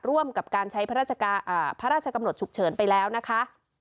ร่วมกับการใช้พระราชกำหนดฉุกเฉินไปแล้วนะคะ